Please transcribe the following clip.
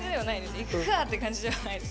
行くかって感じではないです。